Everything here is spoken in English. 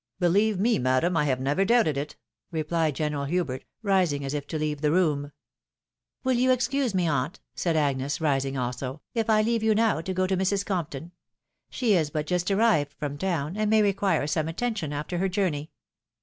"BeUeve me, madam, I have never doubted it," replied General Hubert, rising as if to leave the room. " WOl you excuse me, aunt," said Agnes, rising also, " if I leave you now to go to Mrs. Compton ? She is but just arrived from town, and may require some attention after her journey."